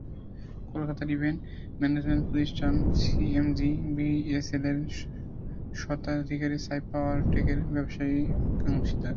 কলকাতার event management প্রতিষ্ঠান CMG বিএসএলের স্বত্বাধিকারী সাইফ পাওয়ারটেকের ব্যবসায়িক অংশীদার।